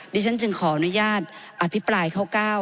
ดิฉันจึงขออนุญาตอภิปรายข้อ๙